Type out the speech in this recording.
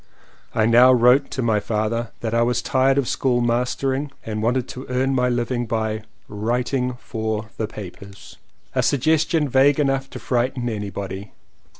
I now wrote to my father that I was tired of school mastering and wanted to earn my living by '* writing for the papers" — a suggestion vague enough to frighten anybody.